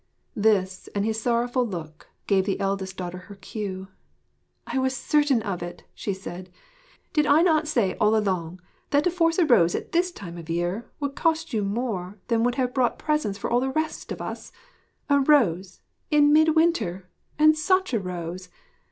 This, and his sorrowful look, gave the eldest daughter her cue. 'I was certain of it!' she said. 'Did I not say, all along, that to force a rose at this time of the year would cost you more than would have bought presents for all the rest of us? A rose, in mid winter! and such a rose!